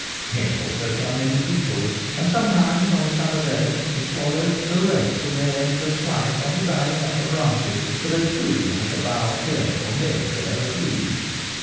Here also come many beetles ; and sometimes on a summer's day the swallows will rest from their endless flight on the dying upper branches, for they too like a bough clear or nearly clear of leaves.